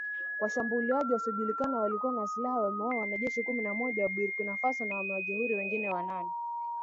Washambuliaji wasiojulikana waliokuwa na silaha wamewaua wanajeshi kumi na moja wa Burkina Faso na kuwajeruhi wengine wanane.